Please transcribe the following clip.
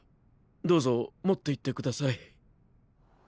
どうぞ持っていってください。